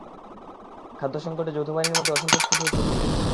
খাদ্য-সংকটে যৌথবাহিনীর মধ্যে অসন্তোষ ফুঁসে উঠতে থাকে।